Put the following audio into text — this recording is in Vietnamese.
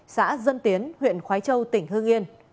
xã dân tiến huyện khói châu tỉnh hương yên